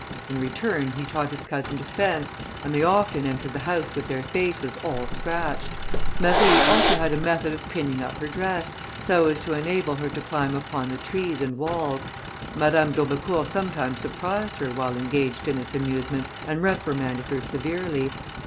In return, he taught his cousin to fence, and they often entered the house with their faces all scratched. Marie had also a method of pinning up her dress, so as to enable her to climb upon the trees and walls. Madame d'Aubecourt sometimes surprised her while engaged in this amusement, and reprimanded her severely.